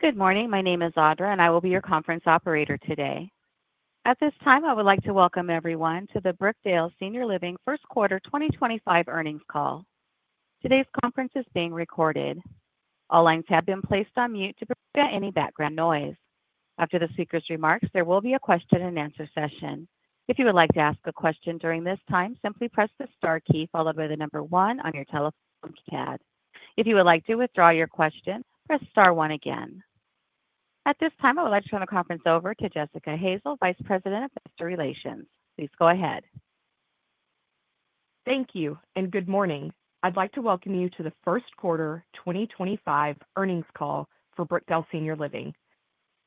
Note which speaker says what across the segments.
Speaker 1: Good morning. My name is Audra, and I will be your conference operator today. At this time, I would like to welcome everyone to the Brookdale Senior Living First Quarter 2025 earnings call. Today's conference is being recorded. All lines have been placed on mute to prevent any background noise. After the speaker's remarks, there will be a question-and-answer session. If you would like to ask a question during this time, simply press the star key followed by the number one on your telephone pad. If you would like to withdraw your question, press star one again. At this time, I would like to turn the conference over to Jessica Hazel, Vice President of Investor Relations. Please go ahead.
Speaker 2: Thank you and good morning. I'd like to welcome you to the First Quarter 2025 earnings call for Brookdale Senior Living.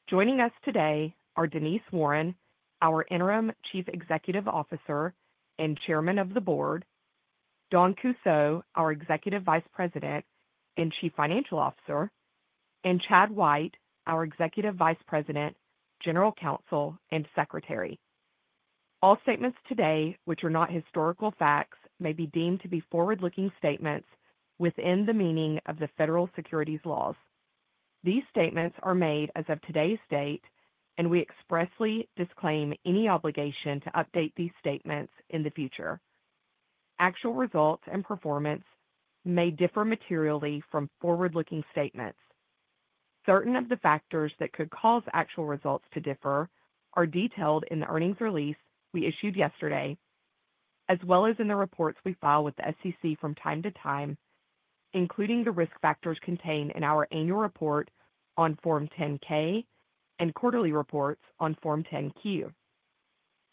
Speaker 2: Joining us today are Denise Warren, our Interim Chief Executive Officer and Chairman of the Board, Dawn Kussow, our Executive Vice President and Chief Financial Officer, and Chad White, our Executive Vice President, General Counsel, and Secretary. All statements today, which are not historical facts, may be deemed to be forward-looking statements within the meaning of the federal securities laws. These statements are made as of today's date, and we expressly disclaim any obligation to update these statements in the future. Actual results and performance may differ materially from forward-looking statements. Certain of the factors that could cause actual results to differ are detailed in the earnings release we issued yesterday, as well as in the reports we file with the SEC from time to time, including the risk factors contained in our annual report on Form 10-K and quarterly reports on Form 10-Q.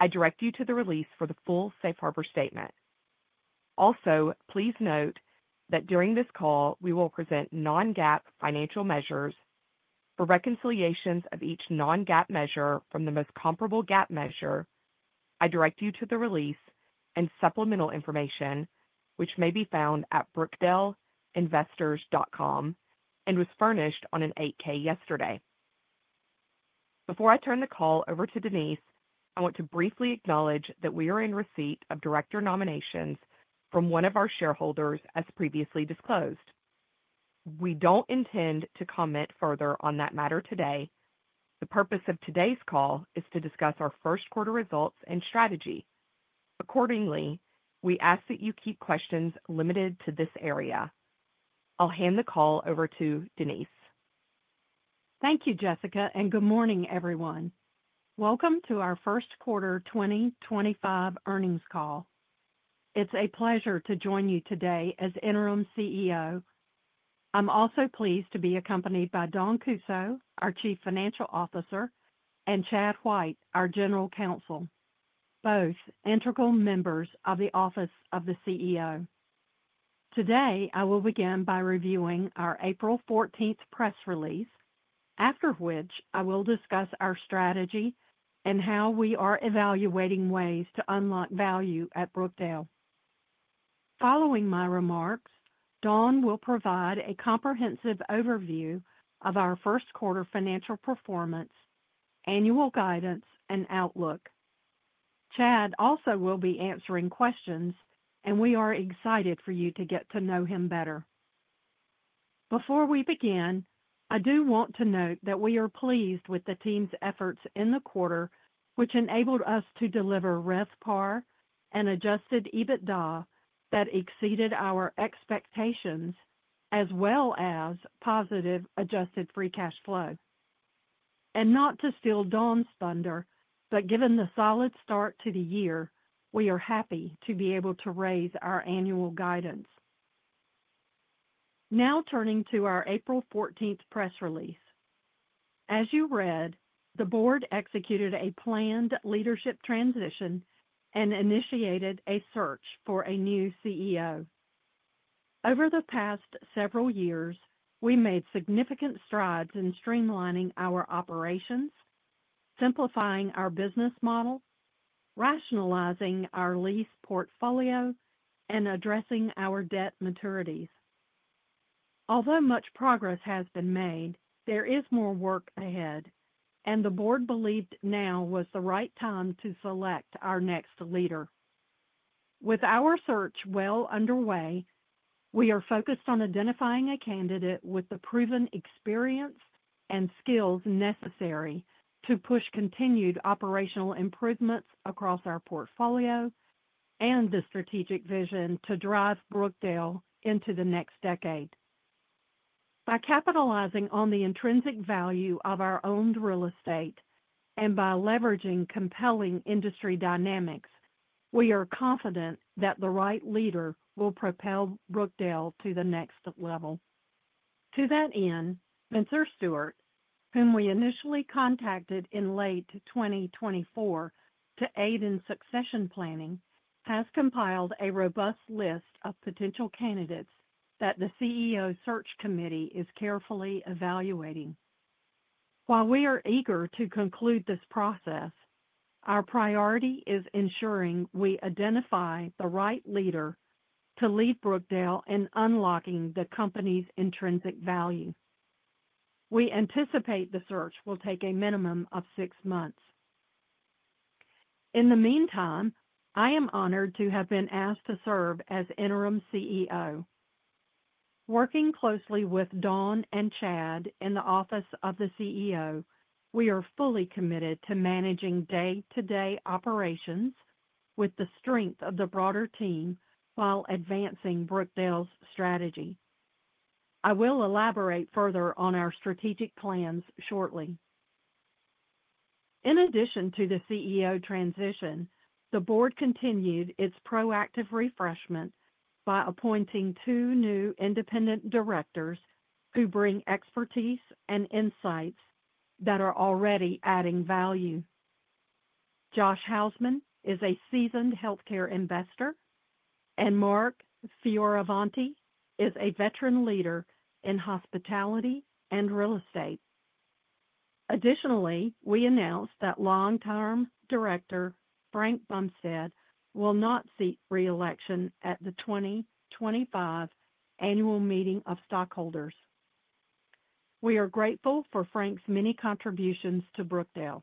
Speaker 2: I direct you to the release for the full Safe Harbor statement. Also, please note that during this call, we will present non-GAAP financial measures. For reconciliations of each non-GAAP measure from the most comparable GAAP measure, I direct you to the release and supplemental information, which may be found at brookdaleinvestors.com and was furnished on an 8-K yesterday. Before I turn the call over to Denise, I want to briefly acknowledge that we are in receipt of director nominations from one of our shareholders, as previously disclosed. We don't intend to comment further on that matter today. The purpose of today's call is to discuss our first quarter results and strategy. Accordingly, we ask that you keep questions limited to this area. I'll hand the call over to Denise.
Speaker 3: Thank you, Jessica, and good morning, everyone. Welcome to our first quarter 2025 earnings call. It's a pleasure to join you today as Interim CEO. I'm also pleased to be accompanied by Dawn Kussow, our Chief Financial Officer, and Chad White, our General Counsel, both integral members of the Office of the CEO. Today, I will begin by reviewing our April 14th press release, after which I will discuss our strategy and how we are evaluating ways to unlock value at Brookdale. Following my remarks, Dawn will provide a comprehensive overview of our first quarter financial performance, annual guidance, and outlook. Chad also will be answering questions, and we are excited for you to get to know him better. Before we begin, I do want to note that we are pleased with the team's efforts in the quarter, which enabled us to deliver RevPAR and adjusted EBITDA that exceeded our expectations, as well as positive adjusted free cash flow. Not to steal Dawn's thunder, but given the solid start to the year, we are happy to be able to raise our annual guidance. Now turning to our April 14 press release. As you read, the board executed a planned leadership transition and initiated a search for a new CEO. Over the past several years, we made significant strides in streamlining our operations, simplifying our business model, rationalizing our lease portfolio, and addressing our debt maturities. Although much progress has been made, there is more work ahead, and the board believed now was the right time to select our next leader. With our search well underway, we are focused on identifying a candidate with the proven experience and skills necessary to push continued operational improvements across our portfolio and the strategic vision to drive Brookdale into the next decade. By capitalizing on the intrinsic value of our owned real estate and by leveraging compelling industry dynamics, we are confident that the right leader will propel Brookdale to the next level. To that end, Spencer Stuart, whom we initially contacted in late 2024 to aid in succession planning, has compiled a robust list of potential candidates that the CEO search committee is carefully evaluating. While we are eager to conclude this process, our priority is ensuring we identify the right leader to lead Brookdale in unlocking the company's intrinsic value. We anticipate the search will take a minimum of six months. In the meantime, I am honored to have been asked to serve as Interim CEO. Working closely with Dawn and Chad in the Office of the CEO, we are fully committed to managing day-to-day operations with the strength of the broader team while advancing Brookdale's strategy. I will elaborate further on our strategic plans shortly. In addition to the CEO transition, the board continued its proactive refreshment by appointing two new independent directors who bring expertise and insights that are already adding value. Josh Houseman is a seasoned healthcare investor, and Mark Fioravanti is a veteran leader in hospitality and real estate. Additionally, we announced that long-term director Frank Bumstead will not seek reelection at the 2025 annual meeting of stockholders. We are grateful for Frank's many contributions to Brookdale.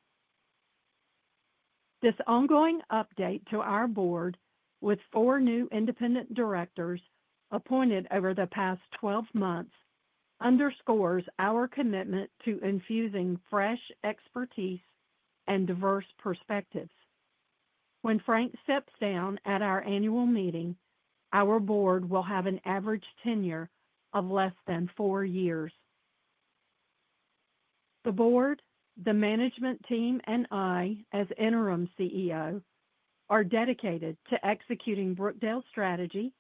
Speaker 3: This ongoing update to our board, with four new independent directors appointed over the past 12 months, underscores our commitment to infusing fresh expertise and diverse perspectives. When Frank steps down at our annual meeting, our board will have an average tenure of less than four years. The board, the management team, and I, as Interim CEO, are dedicated to executing Brookdale's strategy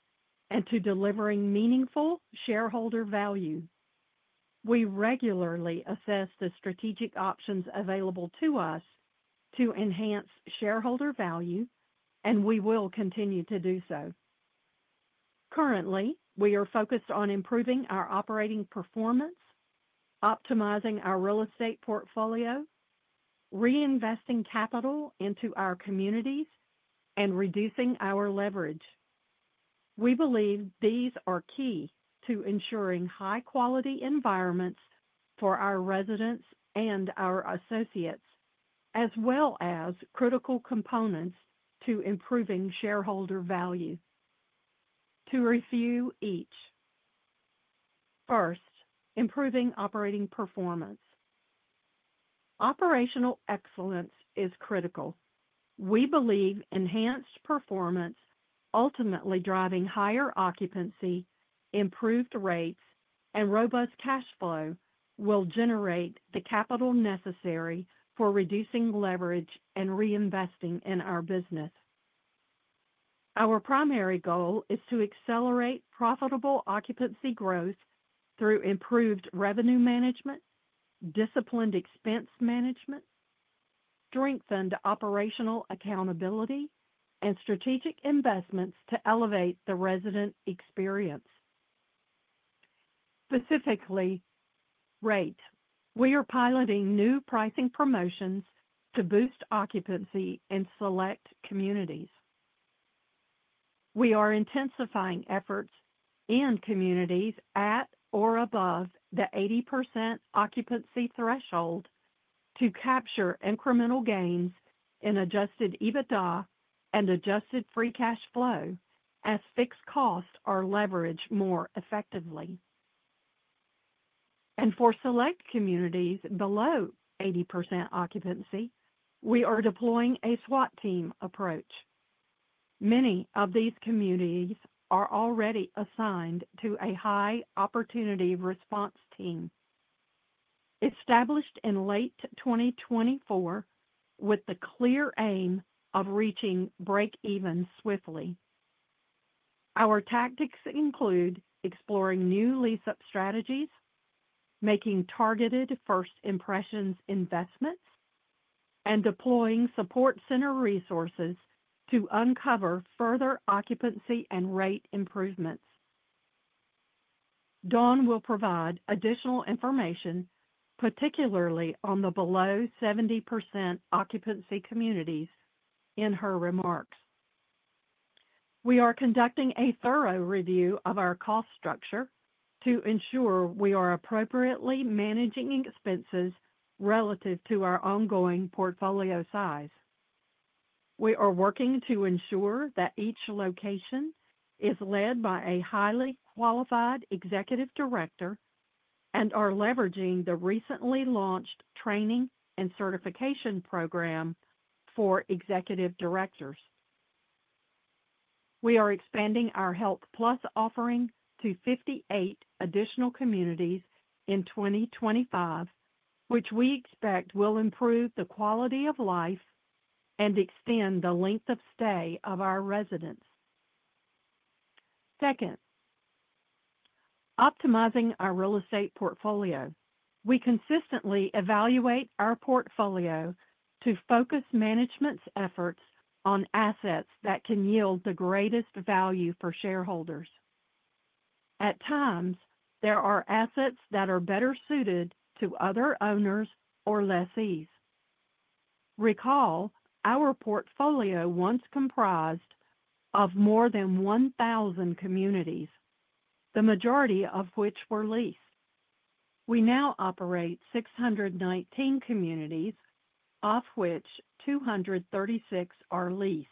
Speaker 3: and to delivering meaningful shareholder value. We regularly assess the strategic options available to us to enhance shareholder value, and we will continue to do so. Currently, we are focused on improving our operating performance, optimizing our real estate portfolio, reinvesting capital into our communities, and reducing our leverage. We believe these are key to ensuring high-quality environments for our residents and our associates, as well as critical components to improving shareholder value. To review each: first, improving operating performance. Operational excellence is critical. We believe enhanced performance, ultimately driving higher occupancy, improved rates, and robust cash flow, will generate the capital necessary for reducing leverage and reinvesting in our business. Our primary goal is to accelerate profitable occupancy growth through improved revenue management, disciplined expense management, strengthened operational accountability, and strategic investments to elevate the resident experience. Specifically, rate, we are piloting new pricing promotions to boost occupancy in select communities. We are intensifying efforts in communities at or above the 80% occupancy threshold to capture incremental gains in adjusted EBITDA and adjusted free cash flow as fixed costs are leveraged more effectively. For select communities below 80% occupancy, we are deploying a SWAT team approach. Many of these communities are already assigned to a high opportunity response team, established in late 2024 with the clear aim of reaching break-even swiftly. Our tactics include exploring new lease-up strategies, making targeted first impressions investments, and deploying support center resources to uncover further occupancy and rate improvements. Dawn will provide additional information, particularly on the below 70% occupancy communities, in her remarks. We are conducting a thorough review of our cost structure to ensure we are appropriately managing expenses relative to our ongoing portfolio size. We are working to ensure that each location is led by a highly qualified Executive Director and are leveraging the recently launched training and certification program for Executive Directors. We are expanding our Health Plus offering to 58 additional communities in 2025, which we expect will improve the quality of life and extend the length of stay of our residents. Second, optimizing our real estate portfolio. We consistently evaluate our portfolio to focus management's efforts on assets that can yield the greatest value for shareholders. At times, there are assets that are better suited to other owners or lessees. Recall our portfolio once comprised of more than 1,000 communities, the majority of which were leased. We now operate 619 communities, of which 236 are leased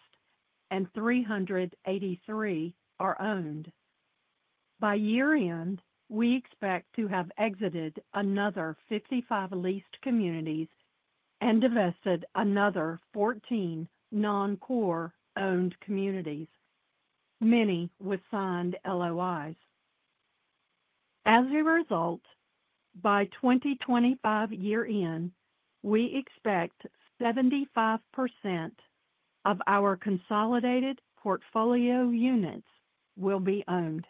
Speaker 3: and 383 are owned. By year-end, we expect to have exited another 55 leased communities and divested another 14 non-core owned communities, many with signed LOIs. As a result, by 2025 year-end, we expect 75% of our consolidated portfolio units will be owned.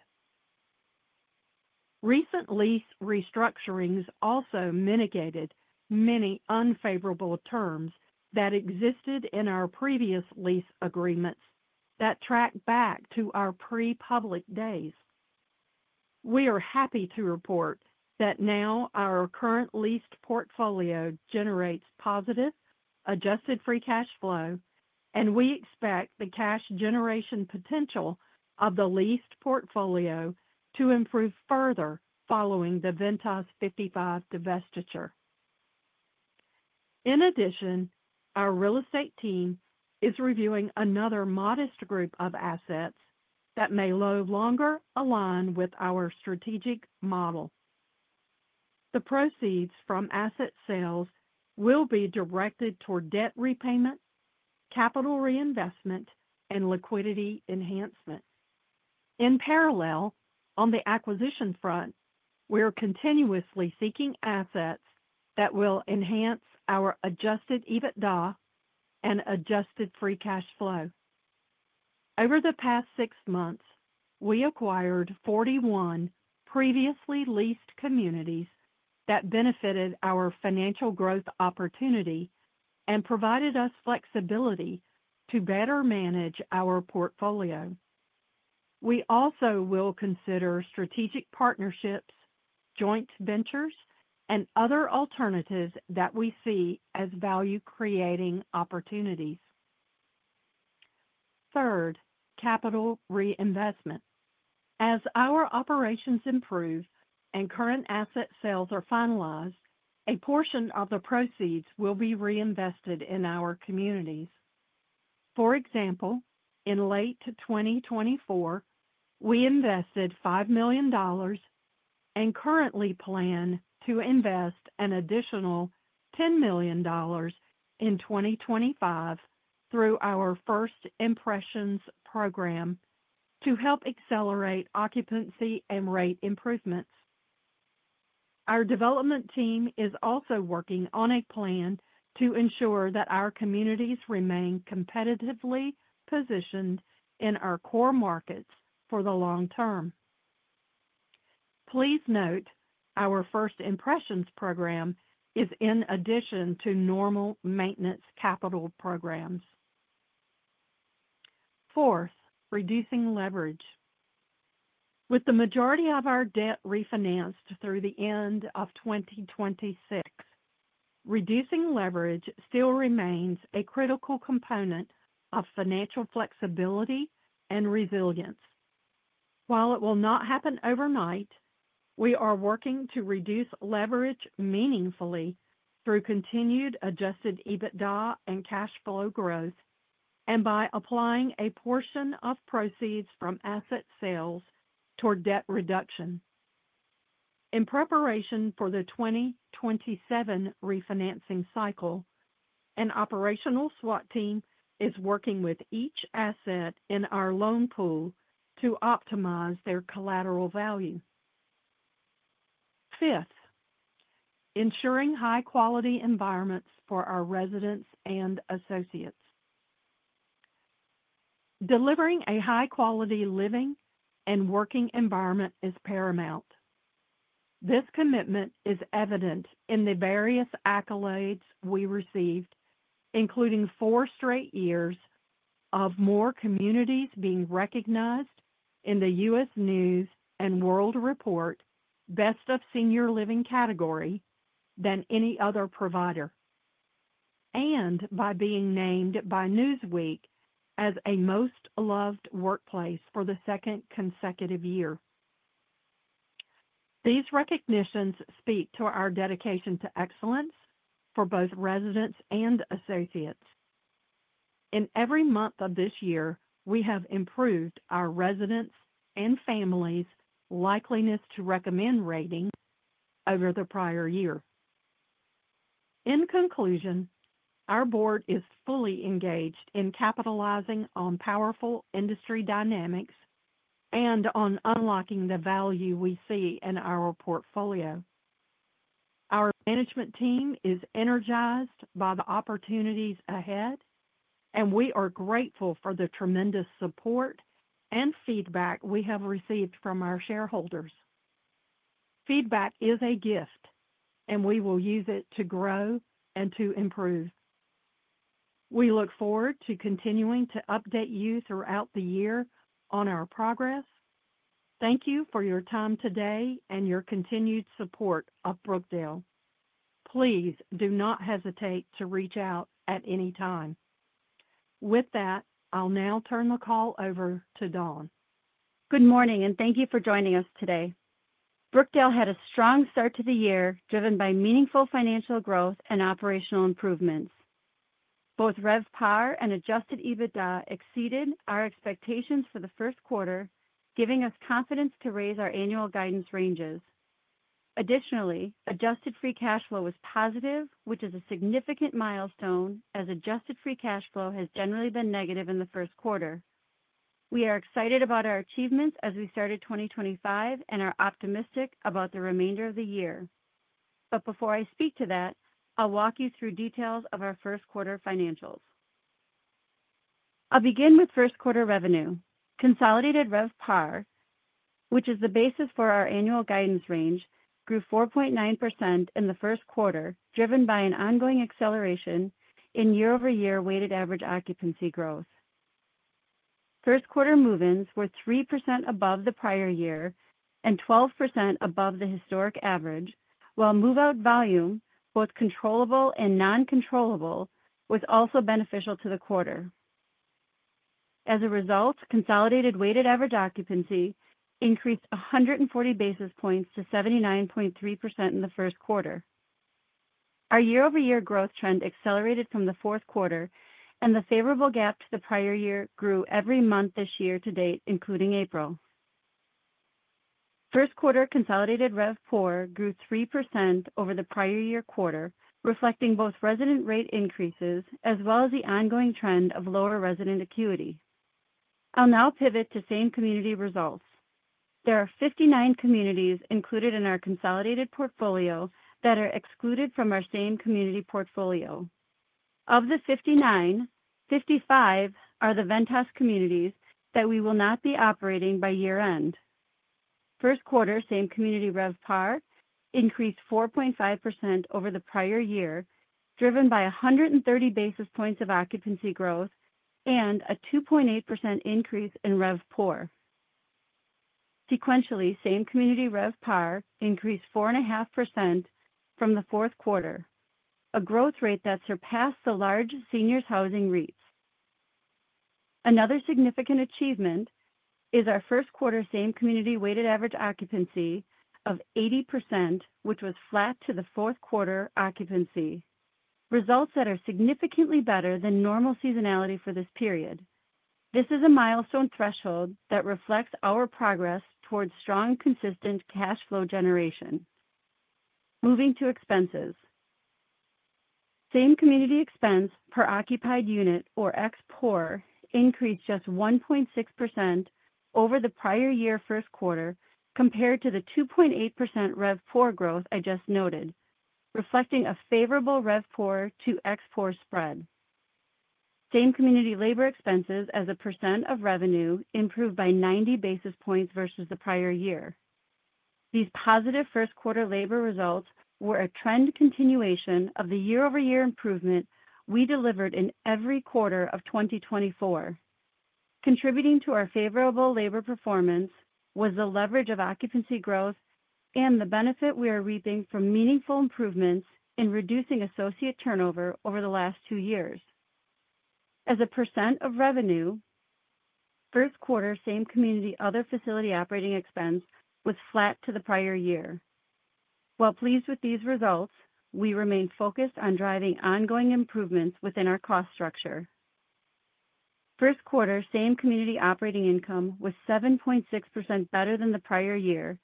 Speaker 3: Recent lease restructurings also mitigated many unfavorable terms that existed in our previous lease agreements that track back to our pre-public days. We are happy to report that now our current leased portfolio generates positive adjusted free cash flow, and we expect the cash generation potential of the leased portfolio to improve further following the Ventas 55 divestiture. In addition, our real estate team is reviewing another modest group of assets that may no longer align with our strategic model. The proceeds from asset sales will be directed toward debt repayment, capital reinvestment, and liquidity enhancement. In parallel, on the acquisition front, we are continuously seeking assets that will enhance our adjusted EBITDA and adjusted free cash flow. Over the past six months, we acquired 41 previously leased communities that benefited our financial growth opportunity and provided us flexibility to better manage our portfolio. We also will consider strategic partnerships, joint ventures, and other alternatives that we see as value-creating opportunities. Third, capital reinvestment. As our operations improve and current asset sales are finalized, a portion of the proceeds will be reinvested in our communities. For example, in late 2024, we invested $5 million and currently plan to invest an additional $10 million in 2025 through our first impressions program to help accelerate occupancy and rate improvements. Our development team is also working on a plan to ensure that our communities remain competitively positioned in our core markets for the long term. Please note our first impressions program is in addition to normal maintenance capital programs. Fourth, reducing leverage. With the majority of our debt refinanced through the end of 2026, reducing leverage still remains a critical component of financial flexibility and resilience. While it will not happen overnight, we are working to reduce leverage meaningfully through continued adjusted EBITDA and cash flow growth and by applying a portion of proceeds from asset sales toward debt reduction. In preparation for the 2027 refinancing cycle, an operational SWAT team is working with each asset in our loan pool to optimize their collateral value. Fifth, ensuring high-quality environments for our residents and associates. Delivering a high-quality living and working environment is paramount. This commitment is evident in the various accolades we received, including four straight years of more communities being recognized in the U.S. News and World Report Best of Senior Living category than any other provider, and by being named by Newsweek as a Most Loved Workplace for the second consecutive year. These recognitions speak to our dedication to excellence for both residents and associates. In every month of this year, we have improved our residents' and families' likeliness-to-recommend rating over the prior year. In conclusion, our board is fully engaged in capitalizing on powerful industry dynamics and on unlocking the value we see in our portfolio. Our management team is energized by the opportunities ahead, and we are grateful for the tremendous support and feedback we have received from our shareholders. Feedback is a gift, and we will use it to grow and to improve. We look forward to continuing to update you throughout the year on our progress. Thank you for your time today and your continued support of Brookdale. Please do not hesitate to reach out at any time. With that, I'll now turn the call over to Dawn. Good morning, and thank you for joining us today. Brookdale had a strong start to the year driven by meaningful financial growth and operational improvements. Both RevPAR and adjusted EBITDA exceeded our expectations for the first quarter, giving us confidence to raise our annual guidance ranges. Additionally, adjusted free cash flow was positive, which is a significant milestone, as adjusted free cash flow has generally been negative in the first quarter. We are excited about our achievements as we started 2025 and are optimistic about the remainder of the year. Before I speak to that, I'll walk you through details of our first quarter financials. I'll begin with first quarter revenue. Consolidated RevPAR, which is the basis for our annual guidance range, grew 4.9% in the first quarter, driven by an ongoing acceleration in year-over-year weighted average occupancy growth. First quarter move-ins were 3% above the prior year and 12% above the historic average, while move-out volume, both controllable and non-controllable, was also beneficial to the quarter. As a result, consolidated weighted average occupancy increased 140 basis points to 79.3% in the first quarter. Our year-over-year growth trend accelerated from the fourth quarter, and the favorable gap to the prior year grew every month this year to date, including April. First quarter consolidated RevPAR grew 3% over the prior year quarter, reflecting both resident rate increases as well as the ongoing trend of lower resident acuity. I'll now pivot to same community results. There are 59 communities included in our consolidated portfolio that are excluded from our same community portfolio. Of the 59, 55 are the Ventas communities that we will not be operating by year-end. First quarter same community RevPAR increased 4.5% over the prior year, driven by 130 basis points of occupancy growth and a 2.8% increase in RevPAR. Sequentially, same community RevPAR increased 4.5% from the fourth quarter, a growth rate that surpassed the large seniors' housing REITs. Another significant achievement is our first quarter same community weighted average occupancy of 80%, which was flat to the fourth quarter occupancy. Results that are significantly better than normal seasonality for this period. This is a milestone threshold that reflects our progress toward strong, consistent cash flow generation. Moving to expenses. Same community expense per occupied unit, or XPOR, increased just 1.6% over the prior year first quarter compared to the 2.8% RevPAR growth I just noted, reflecting a favorable RevPAR to XPOR spread. Same community labor expenses as a percent of revenue improved by 90 basis points versus the prior year. These positive first quarter labor results were a trend continuation of the year-over-year improvement we delivered in every quarter of 2024. Contributing to our favorable labor performance was the leverage of occupancy growth and the benefit we are reaping from meaningful improvements in reducing associate turnover over the last two years. As a percent of revenue, first quarter same community other facility operating expense was flat to the prior year. While pleased with these results, we remain focused on driving ongoing improvements within our cost structure. First quarter same community operating income was 7.6% better than the prior year,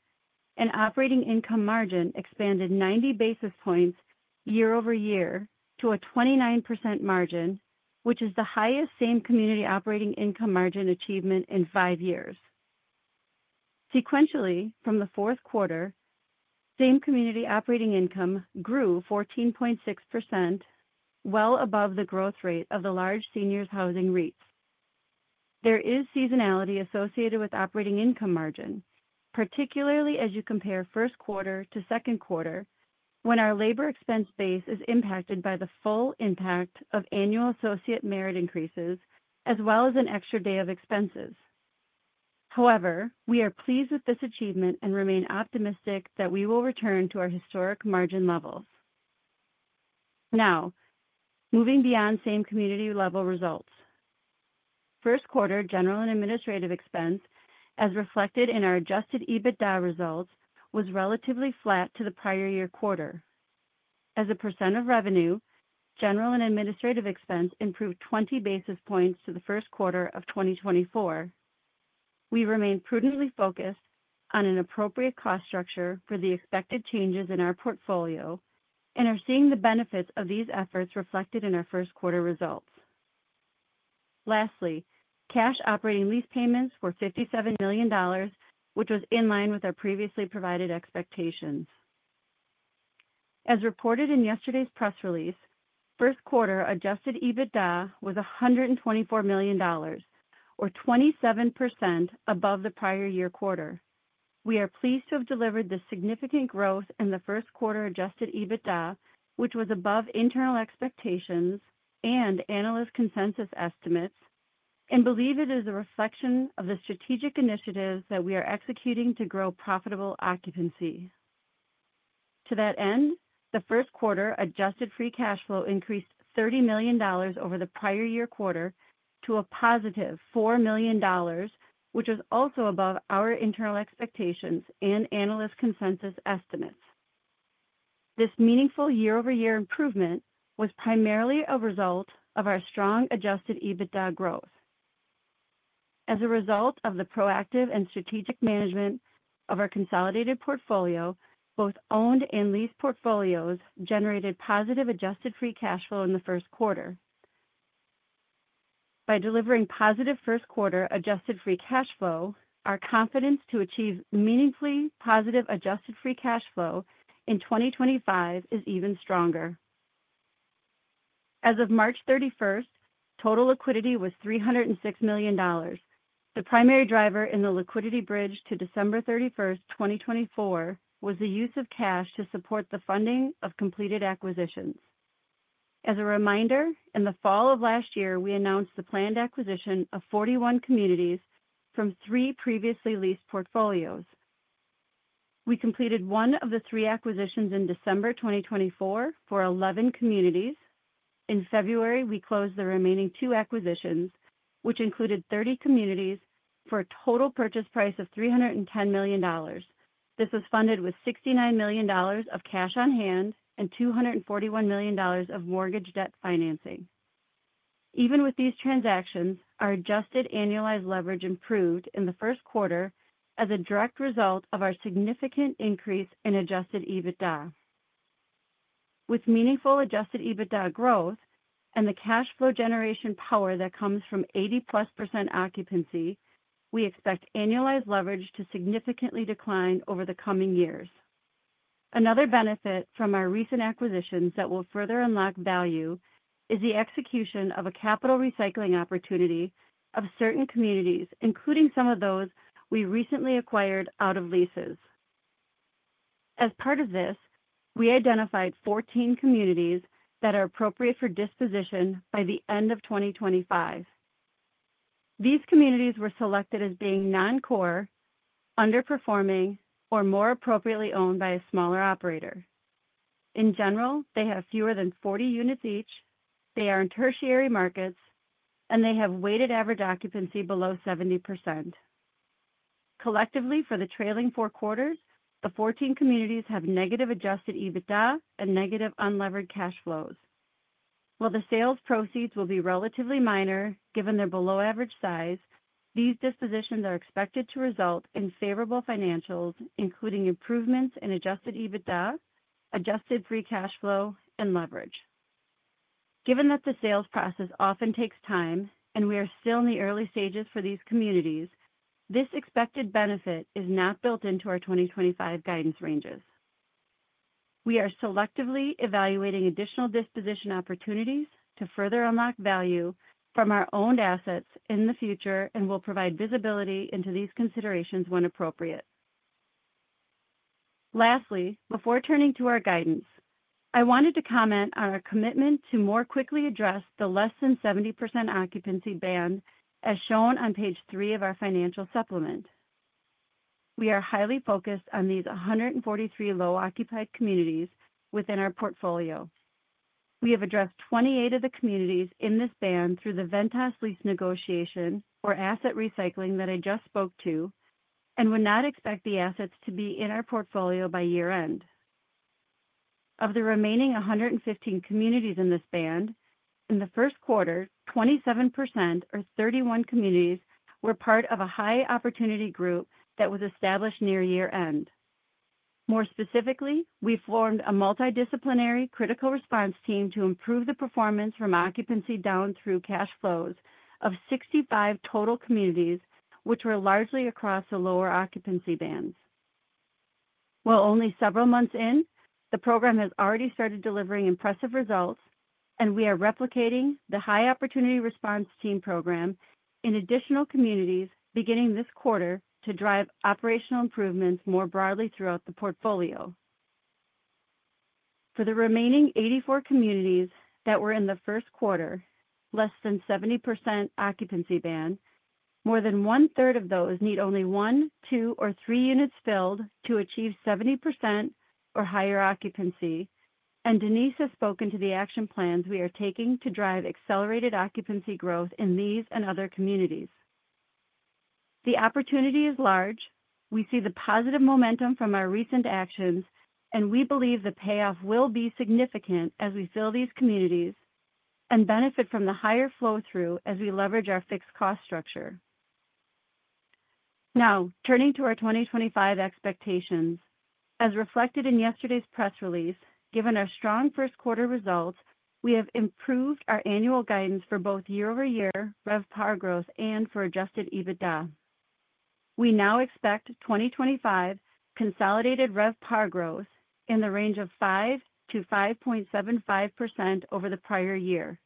Speaker 3: and operating income margin expanded 90 basis points year-over-year to a 29% margin, which is the highest same community operating income margin achievement in five years. Sequentially, from the fourth quarter, same community operating income grew 14.6%, well above the growth rate of the large seniors' housing REITs. There is seasonality associated with operating income margin, particularly as you compare first quarter to second quarter when our labor expense base is impacted by the full impact of annual associate merit increases as well as an extra day of expenses. However, we are pleased with this achievement and remain optimistic that we will return to our historic margin levels. Now, moving beyond same community level results. First quarter general and administrative expense, as reflected in our adjusted EBITDA results, was relatively flat to the prior year quarter. As a percent of revenue, general and administrative expense improved 20 basis points to the first quarter of 2024. We remain prudently focused on an appropriate cost structure for the expected changes in our portfolio and are seeing the benefits of these efforts reflected in our first quarter results. Lastly, cash operating lease payments were $57 million, which was in line with our previously provided expectations. As reported in yesterday's press release, first quarter adjusted EBITDA was $124 million, or 27% above the prior year quarter. We are pleased to have delivered the significant growth in the first quarter adjusted EBITDA, which was above internal expectations and analyst consensus estimates, and believe it is a reflection of the strategic initiatives that we are executing to grow profitable occupancy. To that end, the first quarter adjusted free cash flow increased $30 million over the prior year quarter to a positive $4 million, which was also above our internal expectations and analyst consensus estimates. This meaningful year-over-year improvement was primarily a result of our strong adjusted EBITDA growth. As a result of the proactive and strategic management of our consolidated portfolio, both owned and leased portfolios generated positive adjusted free cash flow in the first quarter. By delivering positive first quarter adjusted free cash flow, our confidence to achieve meaningfully positive adjusted free cash flow in 2025 is even stronger. As of March 31, total liquidity was $306 million. The primary driver in the liquidity bridge to December 31, 2024, was the use of cash to support the funding of completed acquisitions. As a reminder, in the fall of last year, we announced the planned acquisition of 41 communities from three previously leased portfolios. We completed one of the three acquisitions in December 2024 for 11 communities. In February, we closed the remaining two acquisitions, which included 30 communities for a total purchase price of $310 million. This was funded with $69 million of cash on hand and $241 million of mortgage debt financing. Even with these transactions, our adjusted annualized leverage improved in the first quarter as a direct result of our significant increase in adjusted EBITDA. With meaningful adjusted EBITDA growth and the cash flow generation power that comes from 80+% occupancy, we expect annualized leverage to significantly decline over the coming years. Another benefit from our recent acquisitions that will further unlock value is the execution of a capital recycling opportunity of certain communities, including some of those we recently acquired out of leases. As part of this, we identified 14 communities that are appropriate for disposition by the end of 2025. These communities were selected as being non-core, underperforming, or more appropriately owned by a smaller operator. In general, they have fewer than 40 units each, they are in tertiary markets, and they have weighted average occupancy below 70%. Collectively, for the trailing four quarters, the 14 communities have negative adjusted EBITDA and negative unlevered cash flows. While the sales proceeds will be relatively minor given their below-average size, these dispositions are expected to result in favorable financials, including improvements in adjusted EBITDA, adjusted free cash flow, and leverage. Given that the sales process often takes time and we are still in the early stages for these communities, this expected benefit is not built into our 2025 guidance ranges. We are selectively evaluating additional disposition opportunities to further unlock value from our owned assets in the future and will provide visibility into these considerations when appropriate. Lastly, before turning to our guidance, I wanted to comment on our commitment to more quickly address the less than 70% occupancy band as shown on page three of our financial supplement. We are highly focused on these 143 low-occupied communities within our portfolio. We have addressed 28 of the communities in this band through the Ventas lease negotiation or asset recycling that I just spoke to, and would not expect the assets to be in our portfolio by year-end. Of the remaining 115 communities in this band, in the first quarter, 27% or 31 communities were part of a high opportunity group that was established near year-end. More specifically, we formed a multidisciplinary critical response team to improve the performance from occupancy down through cash flows of 65 total communities, which were largely across the lower occupancy bands. While only several months in, the program has already started delivering impressive results, and we are replicating the high opportunity response team program in additional communities beginning this quarter to drive operational improvements more broadly throughout the portfolio. For the remaining 84 communities that were in the first quarter, less than 70% occupancy band, more than one-third of those need only one, two, or three units filled to achieve 70% or higher occupancy, and Denise has spoken to the action plans we are taking to drive accelerated occupancy growth in these and other communities. The opportunity is large. We see the positive momentum from our recent actions, and we believe the payoff will be significant as we fill these communities and benefit from the higher flow-through as we leverage our fixed cost structure. Now, turning to our 2025 expectations. As reflected in yesterday's press release, given our strong first quarter results, we have improved our annual guidance for both year-over-year RevPAR growth and for adjusted EBITDA. We now expect 2025 consolidated RevPAR growth in the range of 5%-5.75% over the prior year.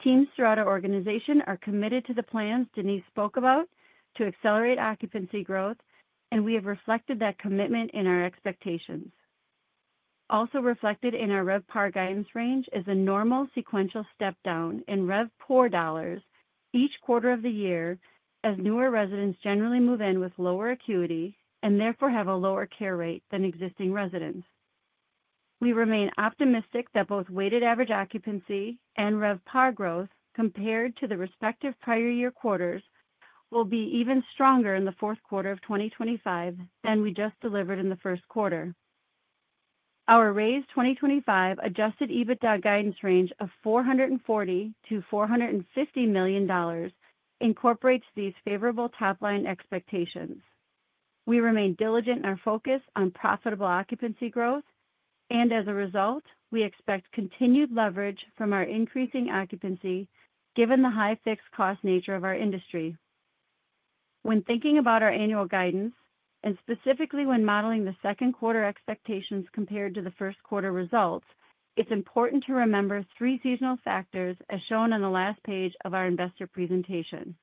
Speaker 3: Teams throughout our organization are committed to the plans Denise spoke about to accelerate occupancy growth, and we have reflected that commitment in our expectations. Also reflected in our RevPAR guidance range is a normal sequential step down in RevPAR dollars each quarter of the year as newer residents generally move in with lower acuity and therefore have a lower care rate than existing residents. We remain optimistic that both weighted average occupancy and RevPAR growth compared to the respective prior year quarters will be even stronger in the fourth quarter of 2025 than we just delivered in the first quarter. Our raised 2025 adjusted EBITDA guidance range of $440 million-$450 million incorporates these favorable top-line expectations. We remain diligent in our focus on profitable occupancy growth, and as a result, we expect continued leverage from our increasing occupancy given the high fixed cost nature of our industry. When thinking about our annual guidance, and specifically when modeling the second quarter expectations compared to the first quarter results, it's important to remember three seasonal factors as shown on the last page of our investor presentation.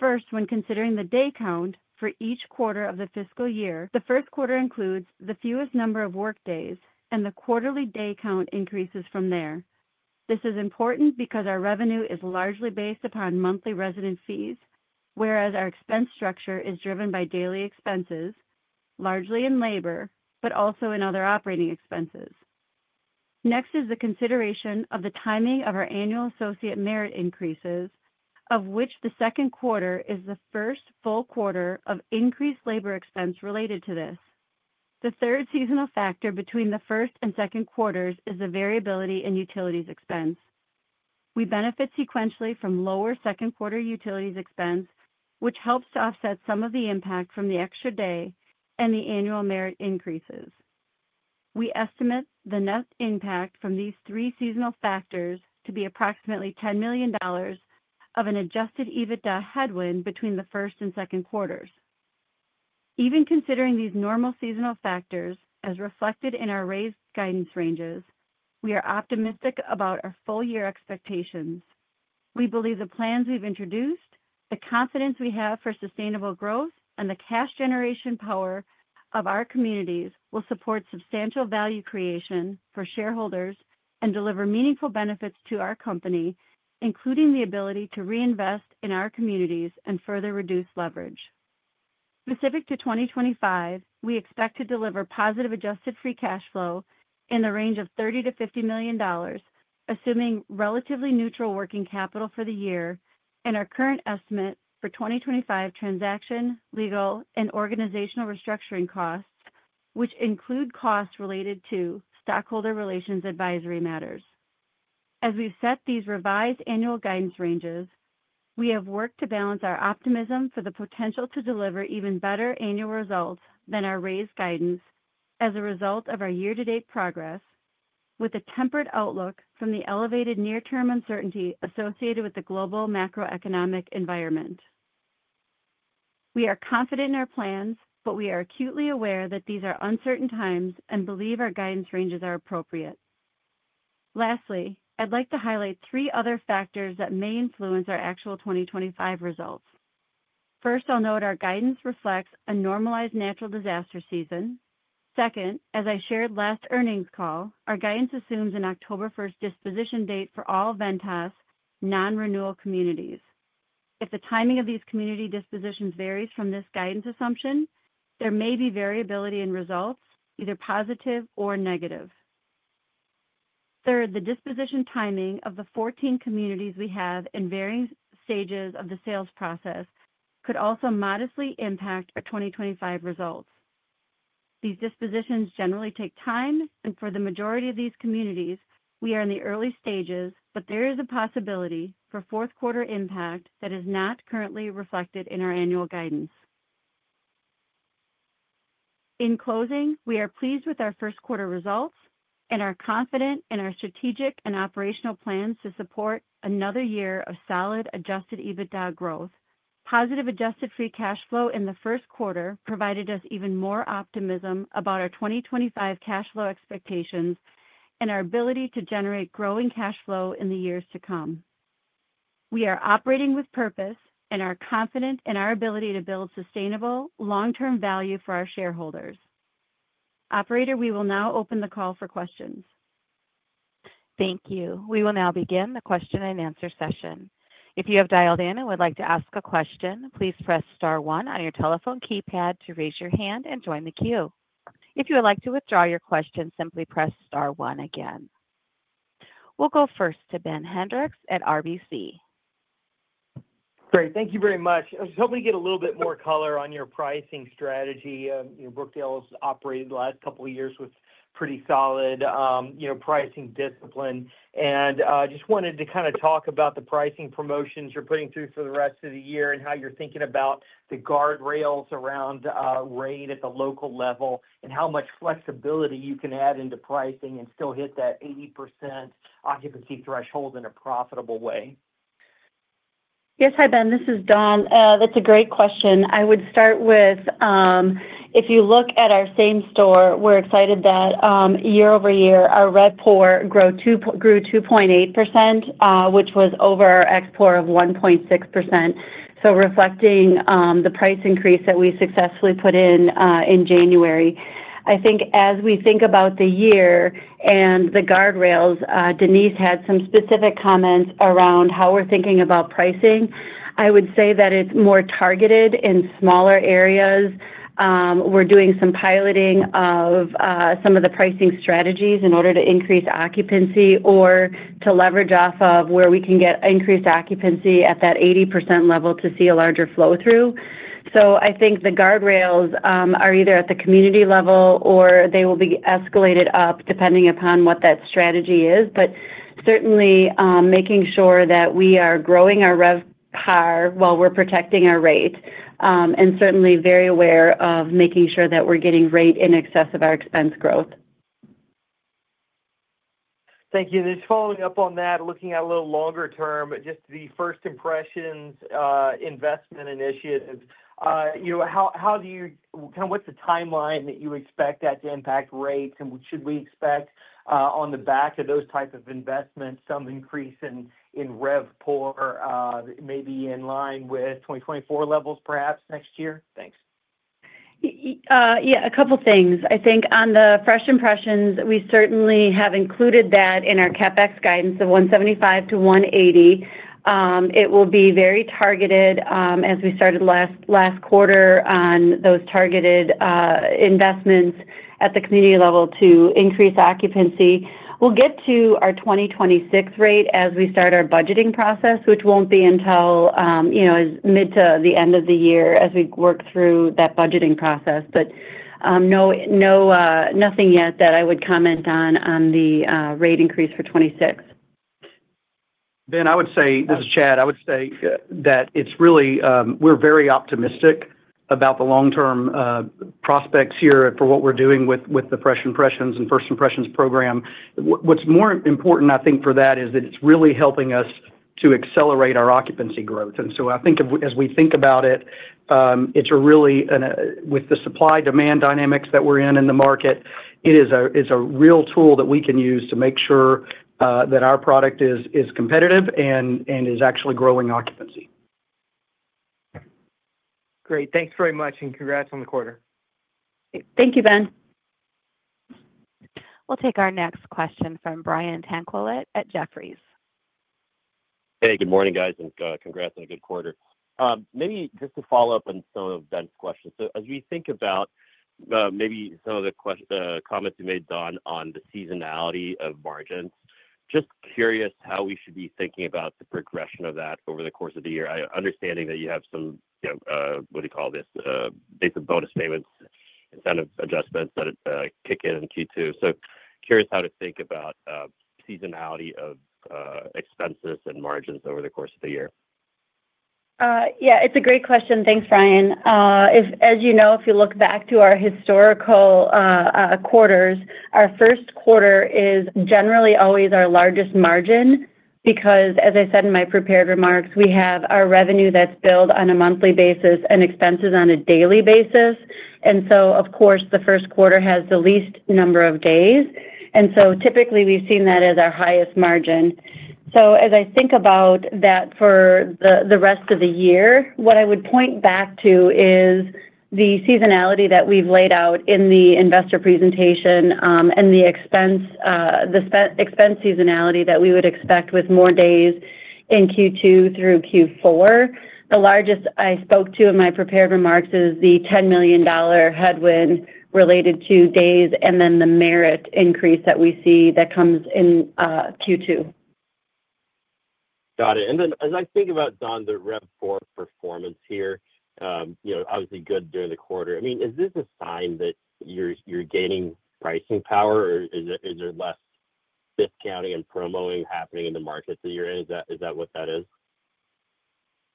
Speaker 3: First, when considering the day count for each quarter of the fiscal year, the first quarter includes the fewest number of workdays, and the quarterly day count increases from there. This is important because our revenue is largely based upon monthly resident fees, whereas our expense structure is driven by daily expenses, largely in labor, but also in other operating expenses. Next is the consideration of the timing of our annual associate merit increases, of which the second quarter is the first full quarter of increased labor expense related to this. The third seasonal factor between the first and second quarters is the variability in utilities expense. We benefit sequentially from lower second quarter utilities expense, which helps to offset some of the impact from the extra day and the annual merit increases. We estimate the net impact from these three seasonal factors to be approximately $10 million of an adjusted EBITDA headwind between the first and second quarters. Even considering these normal seasonal factors as reflected in our raised guidance ranges, we are optimistic about our full year expectations. We believe the plans we've introduced, the confidence we have for sustainable growth, and the cash generation power of our communities will support substantial value creation for shareholders and deliver meaningful benefits to our company, including the ability to reinvest in our communities and further reduce leverage. Specific to 2025, we expect to deliver positive adjusted free cash flow in the range of $30 million-$50 million, assuming relatively neutral working capital for the year, and our current estimate for 2025 transaction, legal, and organizational restructuring costs, which include costs related to stockholder relations advisory matters. As we've set these revised annual guidance ranges, we have worked to balance our optimism for the potential to deliver even better annual results than our raised guidance as a result of our year-to-date progress, with a tempered outlook from the elevated near-term uncertainty associated with the global macroeconomic environment. We are confident in our plans, but we are acutely aware that these are uncertain times and believe our guidance ranges are appropriate. Lastly, I'd like to highlight three other factors that may influence our actual 2025 results. First, I'll note our guidance reflects a normalized natural disaster season. Second, as I shared last earnings call, our guidance assumes an October 1 disposition date for all Ventas non-renewal communities. If the timing of these community dispositions varies from this guidance assumption, there may be variability in results, either positive or negative. Third, the disposition timing of the 14 communities we have in varying stages of the sales process could also modestly impact our 2025 results. These dispositions generally take time, and for the majority of these communities, we are in the early stages, but there is a possibility for fourth quarter impact that is not currently reflected in our annual guidance. In closing, we are pleased with our first quarter results and are confident in our strategic and operational plans to support another year of solid adjusted EBITDA growth. Positive adjusted free cash flow in the first quarter provided us even more optimism about our 2025 cash flow expectations and our ability to generate growing cash flow in the years to come. We are operating with purpose and are confident in our ability to build sustainable long-term value for our shareholders. Operator, we will now open the call for questions.
Speaker 1: Thank you. We will now begin the question and answer session. If you have dialed in and would like to ask a question, please press star one on your telephone keypad to raise your hand and join the queue. If you would like to withdraw your question, simply press star one again. We'll go first to Ben Hendrix at RBC.
Speaker 4: Great. Thank you very much. I was hoping to get a little bit more color on your pricing strategy. Brookdale has operated the last couple of years with pretty solid pricing discipline. I just wanted to kind of talk about the pricing promotions you're putting through for the rest of the year and how you're thinking about the guardrails around rate at the local level and how much flexibility you can add into pricing and still hit that 80% occupancy threshold in a profitable way.
Speaker 5: Yes, hi Ben, this is Dawn. That's a great question. I would start with, if you look at our same store, we're excited that year over year our RevPAR grew 2.8%, which was over our XPOR of 1.6%. Reflecting the price increase that we successfully put in in January. I think as we think about the year and the guardrails, Denise had some specific comments around how we're thinking about pricing. I would say that it's more targeted in smaller areas. We're doing some piloting of some of the pricing strategies in order to increase occupancy or to leverage off of where we can get increased occupancy at that 80% level to see a larger flow-through. I think the guardrails are either at the community level or they will be escalated up depending upon what that strategy is, but certainly making sure that we are growing our RevPAR while we're protecting our rate and certainly very aware of making sure that we're getting rate in excess of our expense growth. Thank you. Just following up on that, looking at a little longer term, just the first impressions investment initiative, how do you kind of, what's the timeline that you expect that to impact rates and should we expect on the back of those type of investments some increase in RevPAR maybe in line with 2024 levels perhaps next year? Thanks. Yeah, a couple of things. I think on the first impressions, we certainly have included that in our CAPEX guidance of $175 million-$180 million. It will be very targeted as we started last quarter on those targeted investments at the community level to increase occupancy. We will get to our 2026 rate as we start our budgeting process, which will not be until mid to the end of the year as we work through that budgeting process, but nothing yet that I would comment on the rate increase for 2026.
Speaker 6: Ben, I would say, this is Chad, I would say that we are very optimistic about the long-term prospects here for what we are doing with the fresh impressions and first impressions program. What is more important, I think, for that is that it is really helping us to accelerate our occupancy growth. I think as we think about it, it's really with the supply-demand dynamics that we're in in the market, it is a real tool that we can use to make sure that our product is competitive and is actually growing occupancy. Great. Thanks very much and congrats on the quarter.
Speaker 5: Thank you, Ben.
Speaker 1: We'll take our next question from Brian Tanquilut at Jefferies. Hey, good morning, guys, and congrats on a good quarter. Maybe just to follow up on some of Ben's questions. As we think about maybe some of the comments you made, Dawn, on the seasonality of margins, just curious how we should be thinking about the progression of that over the course of the year. I understand that you have some, what do you call this, basic bonus payments incentive adjustments that kick in Q2. Curious how to think about seasonality of expenses and margins over the course of the year.
Speaker 5: Yeah, it's a great question. Thanks, Brian. As you know, if you look back to our historical quarters, our first quarter is generally always our largest margin because, as I said in my prepared remarks, we have our revenue that's billed on a monthly basis and expenses on a daily basis. Of course, the first quarter has the least number of days. Typically, we've seen that as our highest margin. As I think about that for the rest of the year, what I would point back to is the seasonality that we've laid out in the investor presentation and the expense seasonality that we would expect with more days in Q2 through Q4. The largest I spoke to in my prepared remarks is the $10 million headwind related to days and then the merit increase that we see that comes in Q2. Got it. As I think about, Dawn, the RevPAR performance here, obviously good during the quarter. I mean, is this a sign that you're gaining pricing power or is there less discounting and promoting happening in the markets that you're in? Is that what that is?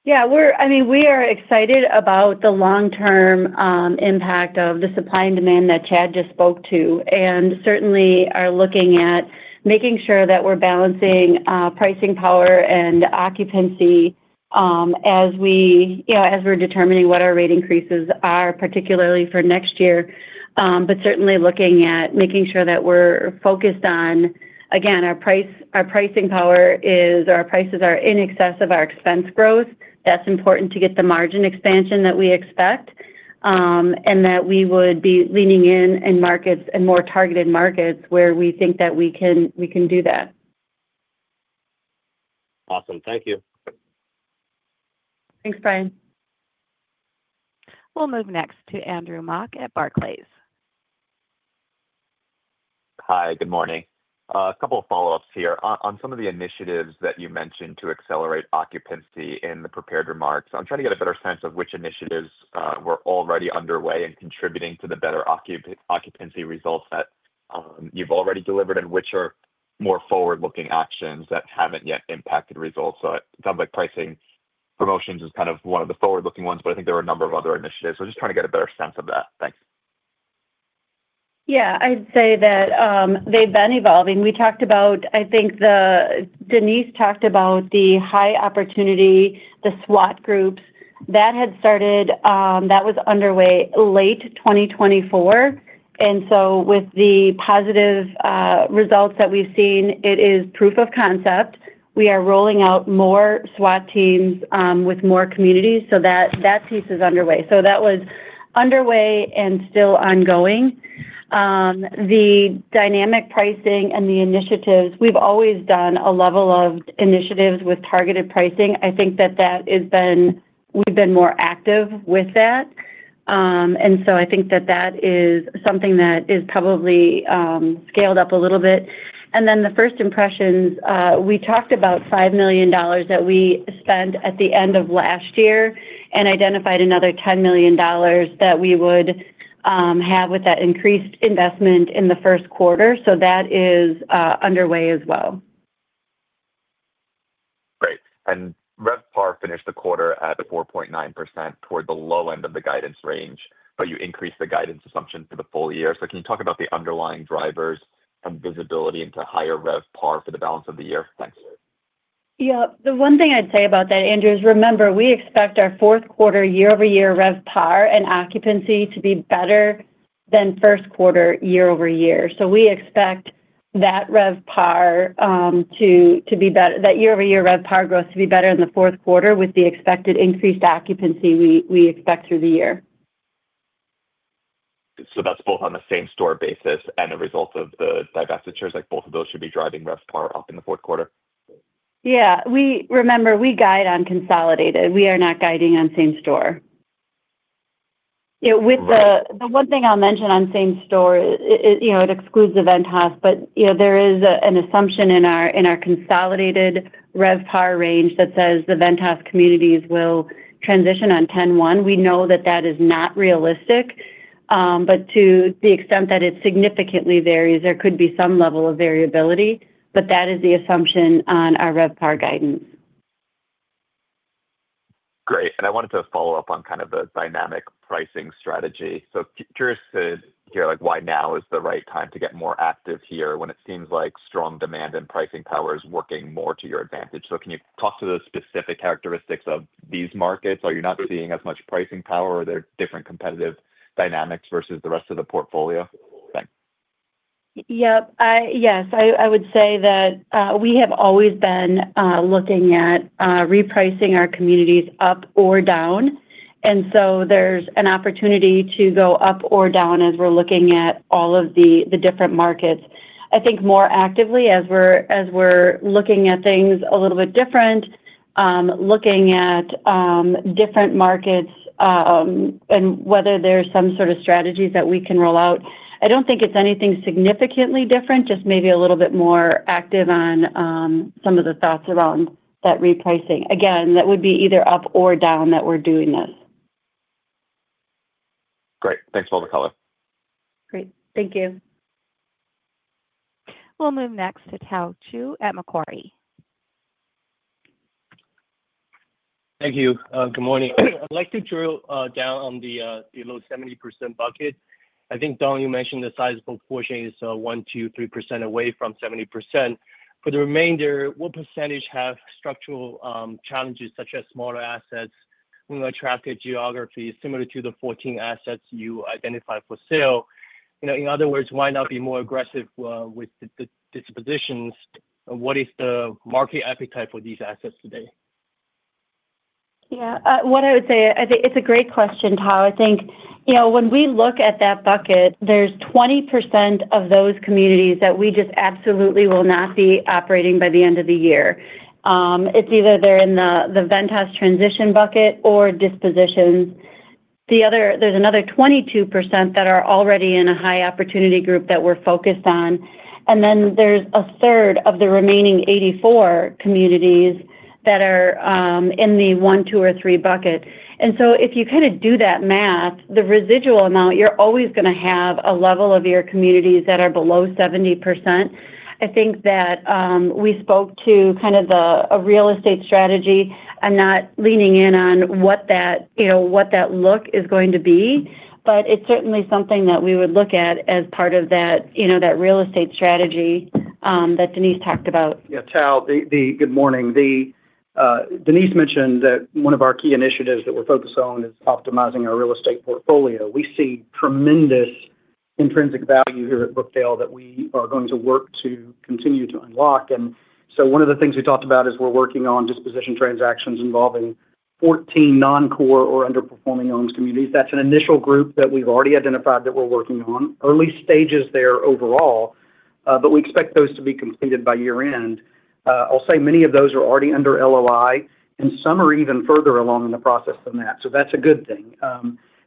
Speaker 5: Yeah. I mean, we are excited about the long-term impact of the supply and demand that Chad just spoke to and certainly are looking at making sure that we're balancing pricing power and occupancy as we're determining what our rate increases are, particularly for next year, but certainly looking at making sure that we're focused on, again, our pricing power is our prices are in excess of our expense growth. That's important to get the margin expansion that we expect and that we would be leaning in in markets and more targeted markets where we think that we can do that.
Speaker 7: Awesome. Thank you.
Speaker 5: Thanks, Brian.
Speaker 1: We'll move next to Andrew Mok at Barclays.
Speaker 8: Hi, good morning. A couple of follow-ups here on some of the initiatives that you mentioned to accelerate occupancy in the prepared remarks. I'm trying to get a better sense of which initiatives were already underway and contributing to the better occupancy results that you've already delivered and which are more forward-looking actions that haven't yet impacted results. It sounds like pricing promotions is kind of one of the forward-looking ones, but I think there are a number of other initiatives. Just trying to get a better sense of that. Thanks.
Speaker 5: Yeah. I'd say that they've been evolving. We talked about, I think Denise talked about the high opportunity, the SWAT groups that had started that was underway late 2024. With the positive results that we've seen, it is proof of concept. We are rolling out more SWAT teams with more communities. That piece is underway. That was underway and still ongoing. The dynamic pricing and the initiatives, we've always done a level of initiatives with targeted pricing. I think that that has been, we've been more active with that. I think that that is something that has probably scaled up a little bit. The first impressions, we talked about $5 million that we spent at the end of last year and identified another $10 million that we would have with that increased investment in the first quarter. That is underway as well.
Speaker 8: Great. RevPAR finished the quarter at 4.9% toward the low end of the guidance range, but you increased the guidance assumption for the full year. Can you talk about the underlying drivers and visibility into higher RevPAR for the balance of the year? Thanks.
Speaker 5: Yeah. The one thing I'd say about that, Andrew, is remember, we expect our fourth quarter year-over-year RevPAR and occupancy to be better than first quarter year-over-year. We expect that RevPAR to be better, that year-over-year RevPAR growth to be better in the fourth quarter with the expected increased occupancy we expect through the year.
Speaker 8: That is both on the same store basis and the results of the divestitures. Both of those should be driving RevPAR up in the fourth quarter.
Speaker 5: Yeah. Remember, we guide on consolidated. We are not guiding on same store. The one thing I'll mention on same store, it excludes the Ventas, but there is an assumption in our consolidated RevPAR range that says the Ventas communities will transition on 10/01. We know that that is not realistic, but to the extent that it significantly varies, there could be some level of variability, but that is the assumption on our RevPAR guidance.
Speaker 8: Great. I wanted to follow up on kind of the dynamic pricing strategy. Curious to hear why now is the right time to get more active here when it seems like strong demand and pricing power is working more to your advantage. Can you talk to the specific characteristics of these markets? Are you not seeing as much pricing power? Are there different competitive dynamics versus the rest of the portfolio? Thanks.
Speaker 5: Yep. Yes. I would say that we have always been looking at repricing our communities up or down. There is an opportunity to go up or down as we are looking at all of the different markets. I think more actively as we are looking at things a little bit different, looking at different markets and whether there are some sort of strategies that we can roll out. I do not think it is anything significantly different, just maybe a little bit more active on some of the thoughts around that repricing. Again, that would be either up or down that we are doing this.
Speaker 8: Great. Thanks for all the color.
Speaker 5: Great. Thank you. We will move next to Tao Zhu at Macquarie.
Speaker 9: Thank you. Good morning. I would like to drill down on the low 70% bucket. I think, Dawn, you mentioned the size proportion is 1, 2, 3% away from 70%. For the remainder, what percentage have structural challenges such as smaller assets, attractive geographies similar to the 14 assets you identified for sale? In other words, why not be more aggressive with the dispositions? What is the market appetite for these assets today? Yeah. What I would say, it's a great question, Tao. I think when we look at that bucket, there's 20% of those communities that we just absolutely will not be operating by the end of the year. It's either they're in the Ventas transition bucket or dispositions. There's another 22% that are already in a high opportunity group that we're focused on. And then there's a third of the remaining 84 communities that are in the one, two, or three bucket. If you kind of do that math, the residual amount, you're always going to have a level of your communities that are below 70%. I think that we spoke to kind of a real estate strategy. I'm not leaning in on what that look is going to be, but it's certainly something that we would look at as part of that real estate strategy that Denise talked about.
Speaker 6: Yeah. Tao, good morning. Denise mentioned that one of our key initiatives that we're focused on is optimizing our real estate portfolio. We see tremendous intrinsic value here at Brookdale that we are going to work to continue to unlock. And so one of the things we talked about is we're working on disposition transactions involving 14 non-core or underperforming communities. That's an initial group that we've already identified that we're working on. Early stages there overall, but we expect those to be completed by year-end. I'll say many of those are already under LOI, and some are even further along in the process than that. That's a good thing.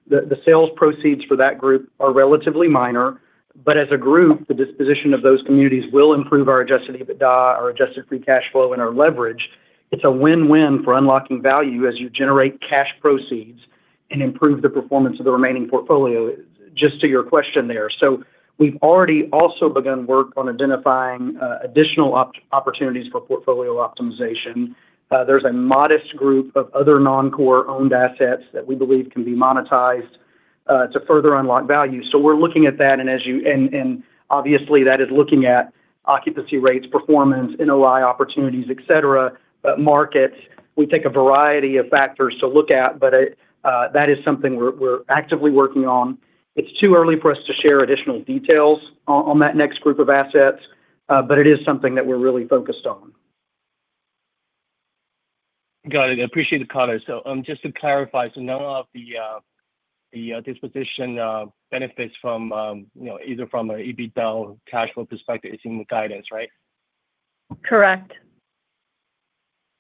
Speaker 6: The sales proceeds for that group are relatively minor, but as a group, the disposition of those communities will improve our adjusted EBITDA, our adjusted free cash flow, and our leverage. It's a win-win for unlocking value as you generate cash proceeds and improve the performance of the remaining portfolio. Just to your question there, we've already also begun work on identifying additional opportunities for portfolio optimization. There's a modest group of other non-core owned assets that we believe can be monetized to further unlock value. We're looking at that, and obviously, that is looking at occupancy rates, performance, NOI opportunities, etc., markets. We take a variety of factors to look at, but that is something we're actively working on. It's too early for us to share additional details on that next group of assets, but it is something that we're really focused on.
Speaker 9: Got it. I appreciate the color. Just to clarify, none of the disposition benefits either from an EBITDA or cash flow perspective is in the guidance, right?
Speaker 5: Correct.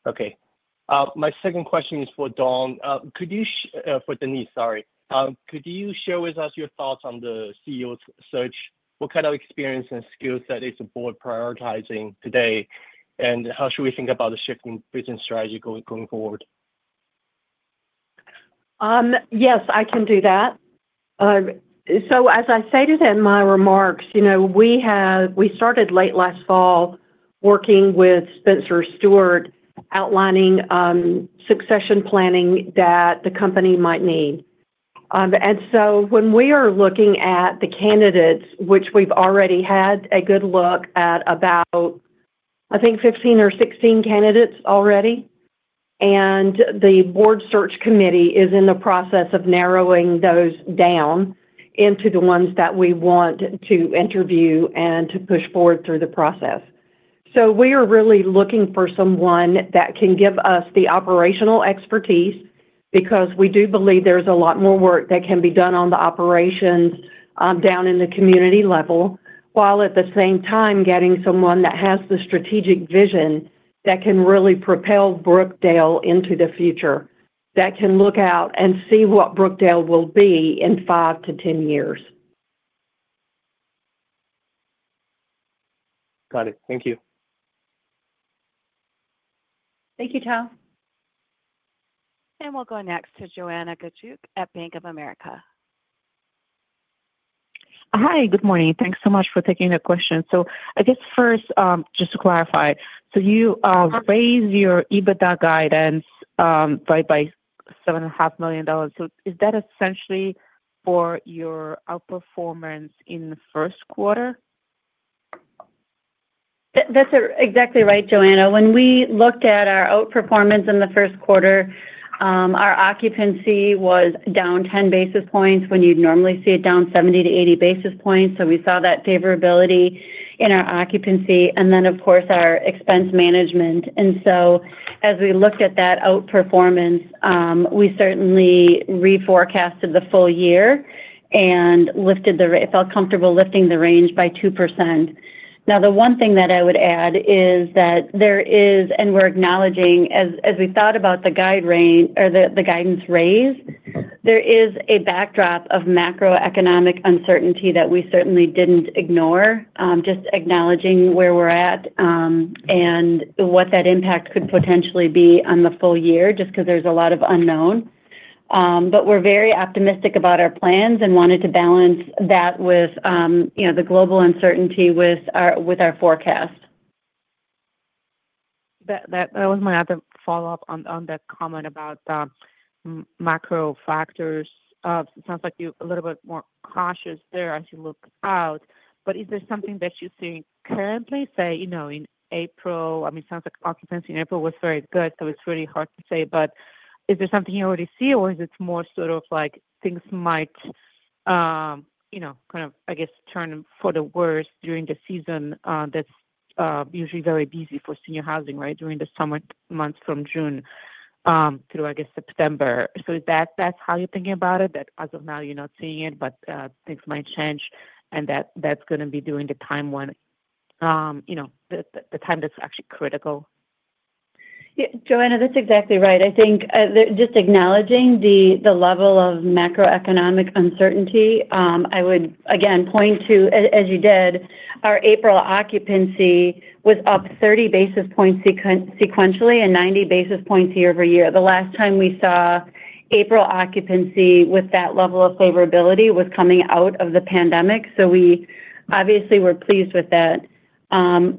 Speaker 9: Okay. My second question is for Dawn. For Denise, sorry. Could you share with us your thoughts on the CEO search? What kind of experience and skill set is the board prioritizing today, and how should we think about the shifting business strategy going forward?
Speaker 5: Yes, I can do that. As I stated in my remarks, we started late last fall working with Spencer Stuart outlining succession planning that the company might need. When we are looking at the candidates, which we've already had a good look at, about 15 or 16 candidates already, the board search committee is in the process of narrowing those down into the ones that we want to interview and to push forward through the process. We are really looking for someone that can give us the operational expertise because we do believe there's a lot more work that can be done on the operations down in the community level while at the same time getting someone that has the strategic vision that can really propel Brookdale into the future, that can look out and see what Brookdale will be in 5 to 10 years.
Speaker 9: Got it. Thank you.
Speaker 5: Thank you, Tao.
Speaker 1: We'll go next to Joanna Gajuk at Bank of America. Hi. Good morning.
Speaker 10: Thanks so much for taking the question. I guess first, just to clarify, you raised your EBITDA guidance by $7.5 million. Is that essentially for your outperformance in the first quarter? That's exactly right, Joanna. When we looked at our outperformance in the first quarter, our occupancy was down 10 basis points when you'd normally see it down 70-80 basis points. We saw that favorability in our occupancy and then, of course, our expense management. As we looked at that outperformance, we certainly reforecasted the full year and felt comfortable lifting the range by 2%.
Speaker 3: Now, the one thing that I would add is that there is, and we're acknowledging, as we thought about the guidance raise, there is a backdrop of macroeconomic uncertainty that we certainly did not ignore, just acknowledging where we're at and what that impact could potentially be on the full year just because there's a lot of unknown. We are very optimistic about our plans and wanted to balance that with the global uncertainty with our forecast.
Speaker 10: That was my other follow-up on that comment about the macro factors. It sounds like you're a little bit more cautious there as you look out, but is there something that you think currently, say, in April? I mean, it sounds like occupancy in April was very good, so it's really hard to say, but is there something you already see, or is it more sort of like things might kind of, I guess, turn for the worse during the season that's usually very busy for senior housing, right, during the summer months from June through, I guess, September? That is how you're thinking about it, that as of now, you're not seeing it, but things might change, and that's going to be during the time when the time that's actually critical.
Speaker 5: Yeah. Joanna, that's exactly right. I think just acknowledging the level of macroeconomic uncertainty, I would, again, point to, as you did, our April occupancy was up 30 basis points sequentially and 90 basis points year-over-year. The last time we saw April occupancy with that level of favorability was coming out of the pandemic, so we obviously were pleased with that.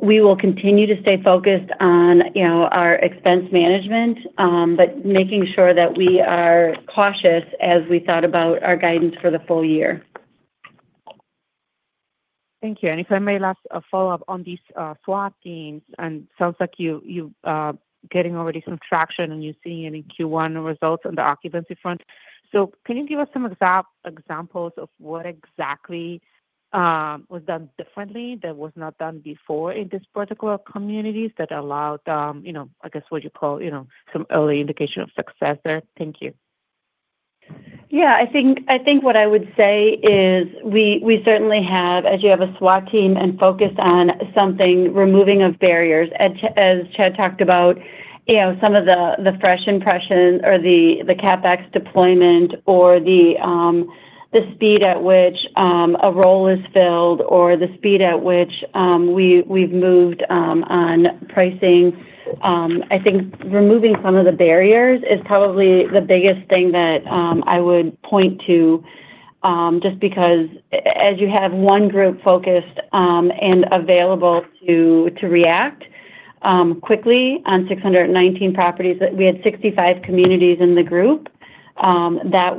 Speaker 5: We will continue to stay focused on our expense management, but making sure that we are cautious as we thought about our guidance for the full year.
Speaker 10: Thank you. If I may, last follow-up on these SWAT teams, and it sounds like you're getting already some traction, and you're seeing it in Q1 results on the occupancy front. Can you give us some examples of what exactly was done differently that was not done before in these particular communities that allowed, I guess, what you call some early indication of success there? Thank you.
Speaker 5: Yeah. I think what I would say is we certainly have, as you have a SWAT team and focused on something, removing of barriers. As Chad talked about, some of the fresh impressions or the CapEx deployment or the speed at which a role is filled or the speed at which we've moved on pricing, I think removing some of the barriers is probably the biggest thing that I would point to just because as you have one group focused and available to react quickly on 619 properties, we had 65 communities in the group. That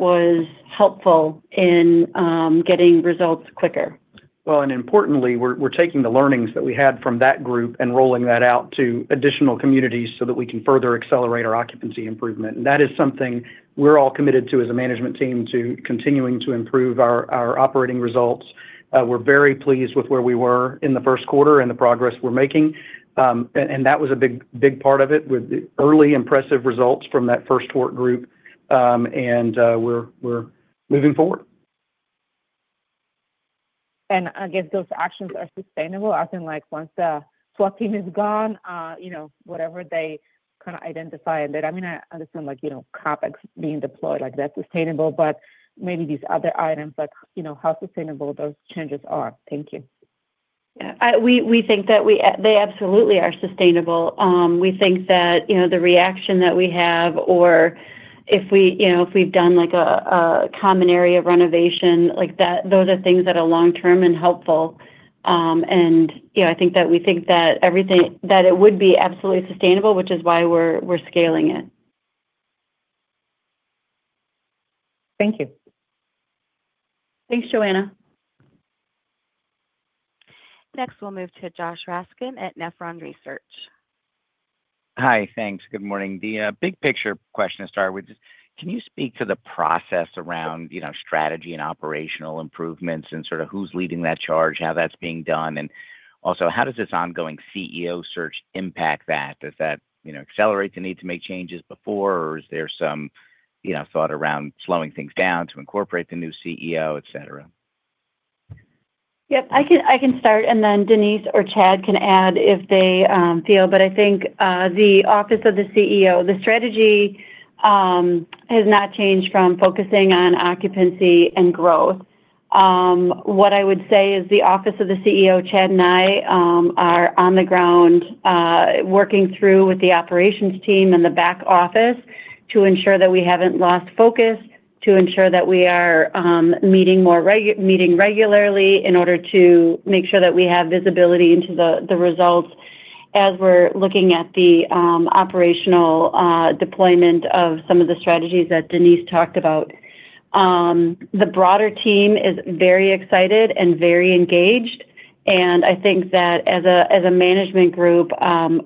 Speaker 5: was helpful in getting results quicker.
Speaker 6: Importantly, we're taking the learnings that we had from that group and rolling that out to additional communities so that we can further accelerate our occupancy improvement. That is something we're all committed to as a management team to continuing to improve our operating results. We're very pleased with where we were in the first quarter and the progress we're making. That was a big part of it with early impressive results from that first cohort group, and we're moving forward.
Speaker 10: I guess those actions are sustainable. I think once the SWAT team is gone, whatever they kind of identify in that, I mean, I understand CapEx being deployed, that's sustainable, but maybe these other items, how sustainable those changes are. Thank you.
Speaker 5: Yeah. We think that they absolutely are sustainable. We think that the reaction that we have, or if we've done a common area renovation, those are things that are long-term and helpful. I think that we think that it would be absolutely sustainable, which is why we're scaling it.
Speaker 10: Thank you.
Speaker 5: Thanks, Joanna. Next, we'll move to Josh Raskin at Nephron Research.
Speaker 11: Hi. Thanks. Good morning.
Speaker 3: The big picture question to start with is, can you speak to the process around strategy and operational improvements and sort of who's leading that charge, how that's being done, and also how does this ongoing CEO search impact that? Does that accelerate the need to make changes before, or is there some thought around slowing things down to incorporate the new CEO, etc.?
Speaker 5: Yep. I can start, and then Denise or Chad can add if they feel. I think the office of the CEO, the strategy has not changed from focusing on occupancy and growth. What I would say is the office of the CEO, Chad and I are on the ground working through with the operations team and the back office to ensure that we have not lost focus, to ensure that we are meeting regularly in order to make sure that we have visibility into the results as we are looking at the operational deployment of some of the strategies that Denise talked about. The broader team is very excited and very engaged, and I think that as a management group,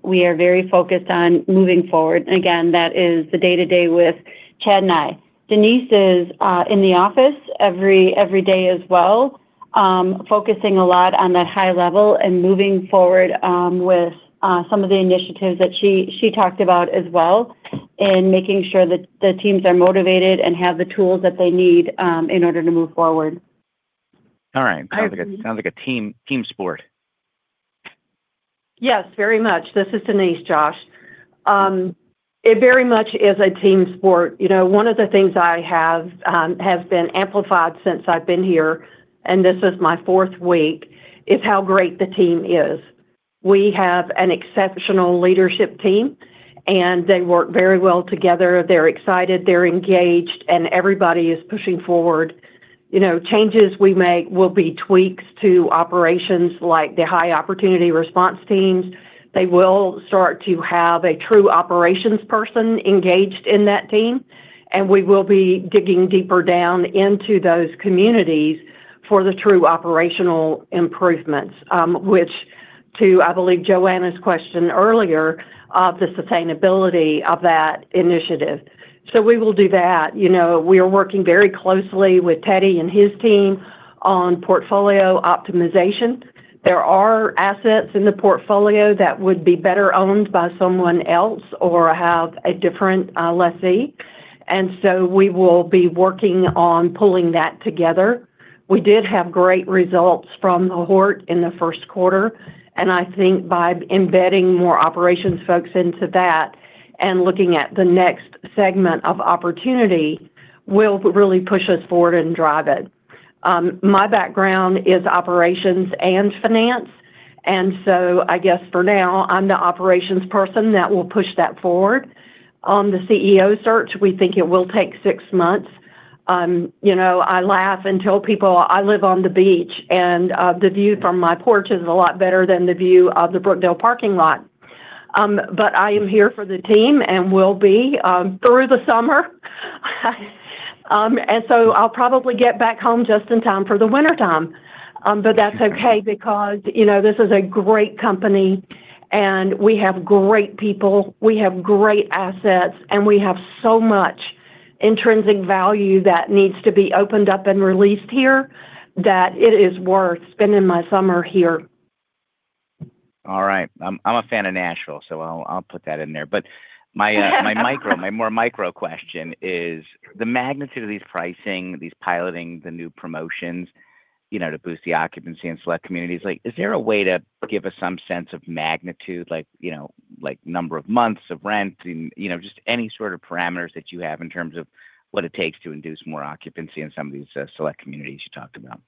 Speaker 5: we are very focused on moving forward. That is the day-to-day with Chad and I. Denise is in the office every day as well, focusing a lot on that high level and moving forward with some of the initiatives that she talked about as well in making sure that the teams are motivated and have the tools that they need in order to move forward.
Speaker 11: All right. Sounds like a team sport.
Speaker 3: Yes, very much. This is Denise, Josh. It very much is a team sport. One of the things I have been amplified since I've been here, and this is my fourth week, is how great the team is. We have an exceptional leadership team, and they work very well together. They're excited. They're engaged, and everybody is pushing forward. Changes we make will be tweaks to operations like the high opportunity response teams. They will start to have a true operations person engaged in that team, and we will be digging deeper down into those communities for the true operational improvements, which to, I believe, Joanna's question earlier of the sustainability of that initiative. We will do that. We are working very closely with Teddy and his team on portfolio optimization. There are assets in the portfolio that would be better owned by someone else or have a different lessee. We will be working on pulling that together. We did have great results from the Hort in the first quarter, and I think by embedding more operations folks into that and looking at the next segment of opportunity will really push us forward and drive it. My background is operations and finance, and I guess for now, I'm the operations person that will push that forward. On the CEO search, we think it will take six months. I laugh and tell people I live on the beach, and the view from my porch is a lot better than the view of the Brookdale parking lot. I am here for the team and will be through the summer. I'll probably get back home just in time for the wintertime. That is okay because this is a great company, and we have great people. We have great assets, and we have so much intrinsic value that needs to be opened up and released here that it is worth spending my summer here.
Speaker 11: All right. I'm a fan of Nashville, so I'll put that in there. My more micro question is, the magnitude of these pricing, these piloting, the new promotions to boost the occupancy in select communities, is there a way to give us some sense of magnitude, like number of months of rent, just any sort of parameters that you have in terms of what it takes to induce more occupancy in some of these select communities you talked about?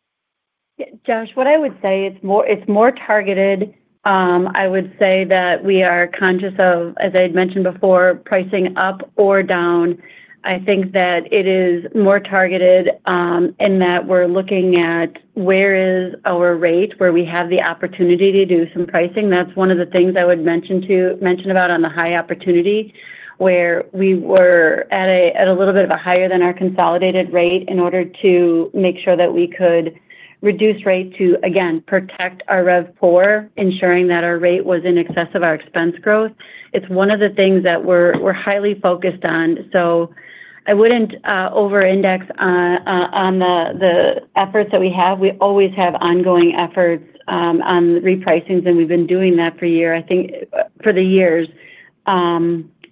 Speaker 5: Josh, what I would say is it's more targeted. I would say that we are conscious of, as I had mentioned before, pricing up or down. I think that it is more targeted in that we're looking at where is our rate where we have the opportunity to do some pricing. That's one of the things I would mention about on the high opportunity where we were at a little bit of a higher than our consolidated rate in order to make sure that we could reduce rate to, again, protect our RevPAR, ensuring that our rate was in excess of our expense growth. It's one of the things that we're highly focused on. I wouldn't over-index on the efforts that we have. We always have ongoing efforts on repricing, and we've been doing that for the years.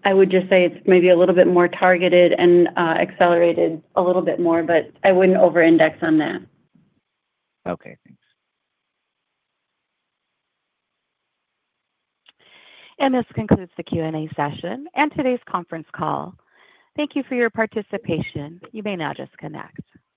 Speaker 5: I would just say it's maybe a little bit more targeted and accelerated a little bit more, but I wouldn't over-index on that.
Speaker 11: Okay. Thanks.
Speaker 1: This concludes the Q&A session and today's conference call. Thank you for your participation. You may now disconnect.